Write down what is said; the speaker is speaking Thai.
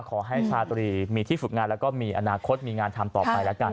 ชาตรีมีที่ฝึกงานแล้วก็มีอนาคตมีงานทำต่อไปแล้วกัน